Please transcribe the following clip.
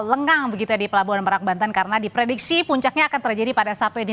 lengang begitu di pelabuhan merak banten karena diprediksi puncaknya akan terjadi pada sabtu